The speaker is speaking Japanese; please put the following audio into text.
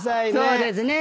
そうですね。